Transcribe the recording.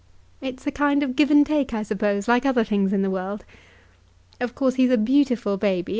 "It's a kind of give and take, I suppose, like other things in the world. Of course, he's a beautiful baby.